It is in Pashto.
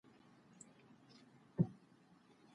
د بل چا مزاج پر ځان مه تپئ.